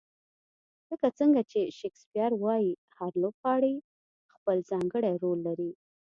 لکه څنګه چې شکسپیر وایي، هر لوبغاړی خپل ځانګړی رول لري.